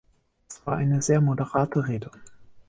Es war eine sehr moderate Rede.